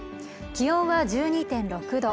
気温は１２．６度